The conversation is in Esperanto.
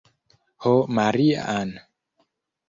Ho Maria-Ann!